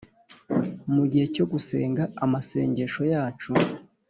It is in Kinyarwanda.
Mugihe cyogusenga amasengesho yacu